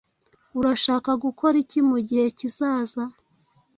Urashaka gukora iki mugihe kizaza?